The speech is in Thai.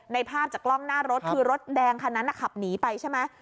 ภาพจากกล้องหน้ารถคือรถแดงคันนั้นขับหนีไปใช่ไหม